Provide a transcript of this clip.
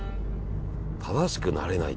ただしくなれない。